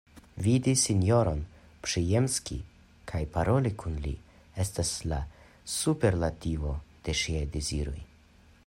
Vidi sinjoron Przyjemski kaj paroli kun li estis la superlativo de ŝiaj deziroj.